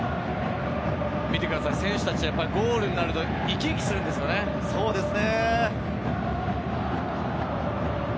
選手たち、ゴールになると生き生きするんですよね。